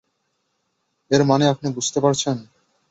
এর মানে আপনি বুঝতে পারছেন?